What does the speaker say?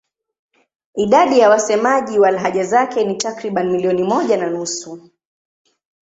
Idadi ya wasemaji wa lahaja zake ni takriban milioni moja na nusu.